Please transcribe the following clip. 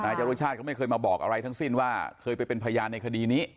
จรุชาติก็ไม่เคยมาบอกอะไรทั้งสิ้นว่าเคยไปเป็นพยานในคดีนี้